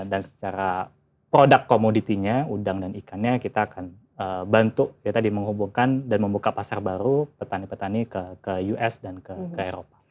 dan secara produk commodity nya udang dan ikannya kita akan bantu ya tadi menghubungkan dan membuka pasar baru petani petani ke us dan ke eropa